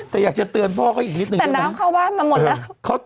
แต่อยากจะเตือนพ่อเขาอีกนิดนึงแต่น้องเข้าบ้านมาหมดแล้ว